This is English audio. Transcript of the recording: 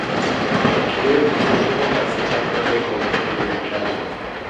The cave is notable as the temporary home of Mary Campbell.